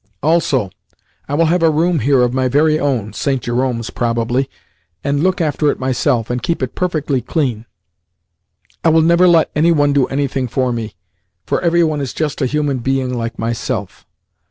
"Also, I will have a room here of my very own (St. Jerome's, probably), and look after it myself, and keep it perfectly clean. I will never let any one do anything for me, for every one is just a human being like myself.